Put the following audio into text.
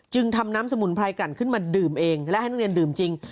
ทำน้ำสมุนไพรกันขึ้นมาดื่มเองและให้นักเรียนดื่มจริง